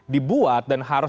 dibuat dan harus